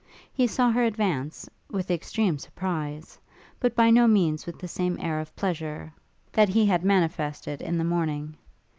He saw her advance, with extreme surprise, but by no means with the same air of pleasure, that he had manifested in the morning.